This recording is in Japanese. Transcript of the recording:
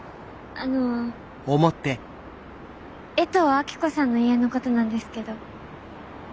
あの衛藤明子さんの家のことなんですけど。